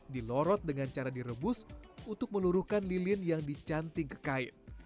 dilorot dengan cara direbus untuk meluruhkan lilin yang dicanting ke kain